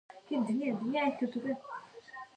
په هره میلمستیا کې به سپینې کترې پخېدلې.